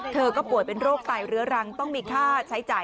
เธอก็ป่วยเป็นโรคไตเรื้อรังต้องมีค่าใช้จ่าย